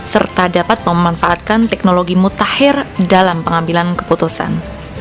serta dapat memanfaatkan teknologi mutakhir dalam pengambilan keputusan